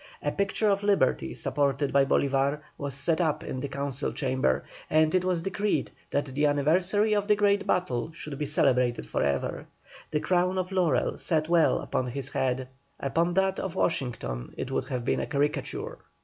A picture of Liberty supported by Bolívar was set up in the council chamber, and it was decreed that the anniversary of the great battle should be celebrated for ever. The crown of laurel sat well upon his head, upon that of Washington it would have been a caricature.